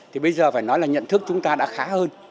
thì bây giờ phải nói là nhận thức chúng ta đã khá hơn